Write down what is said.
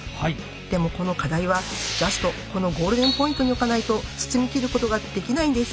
でもこの課題はジャストこのゴールデンポイントに置かないと包みきることができないんです！